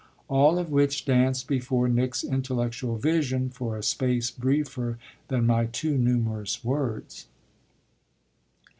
All of which danced before Nick's intellectual vision for a space briefer than my too numerous words.